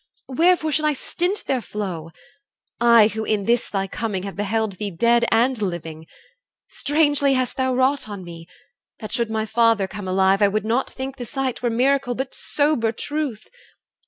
Wherefore should I stint their flow? I, who in this thy coming have beheld Thee dead and living? Strangely hast thou wrought On me; that should my father come alive, I would not think the sight were miracle, But sober truth.